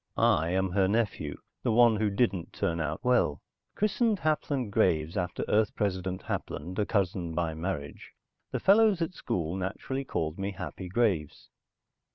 I am her nephew, the one who didn't turn out well. Christened Hapland Graves, after Earth President Hapland, a cousin by marriage, the fellows at school naturally called me Happy Graves.